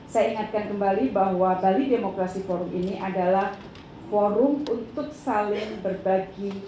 saya ingatkan kembali bahwa bali demokrasi forum ini adalah forum untuk saling berbagi